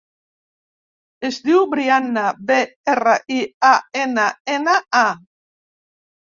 Es diu Brianna: be, erra, i, a, ena, ena, a.